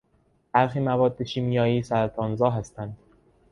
برخی مواد شیمیایی سرطانزا هستند.